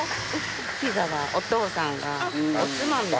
ピザはお父さんがおつまみで。